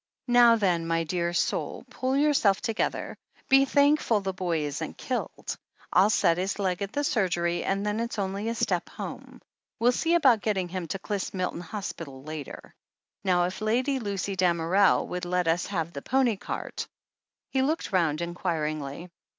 "Now, then, my dear soul, pull yourself together. Be thankful the boy isn't killed. I'll set his leg at the surgery, and then it's only a step home. We'll see about getting him to Clyst Milton Hospital later. Now, if Lady Lucy Damerel would let us have the pony cart?" He looked round inquiringly.